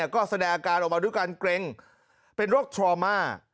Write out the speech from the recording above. ก็แสดงอาการออกมาด้วยการเกร็งเป็นโรคทรามา